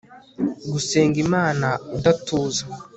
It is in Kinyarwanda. gusenga imana udatuza